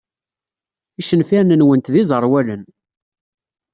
Icenfiren-nwent d iẓerwalen.